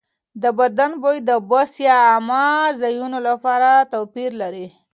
د بدن بوی د بس یا عامه ځایونو لپاره توپیر لري.